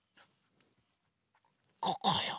ここよ。